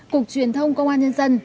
cục truyền thông công an nhân dân